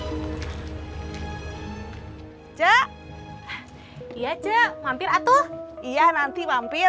ya aja mampir atuh iya nanti mampir